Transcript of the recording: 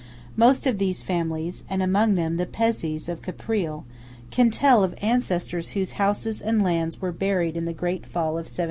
Most of these families, and among them the Pezzés of Caprile, can tell of ancestors whose houses and lands were buried in the great fall of 1771.